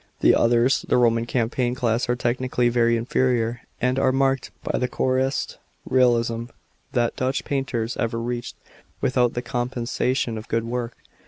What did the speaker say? f The others — the Roman Campanian class — are technically very inferior, and are marked by the coarsest realism that Dutch painters ever reached, without the compensation of good work.